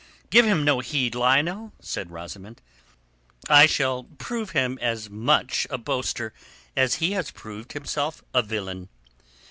"Give him no heed, Lionel!" said Rosamund. "I shall prove him as much a boaster as he has proved himself a villain.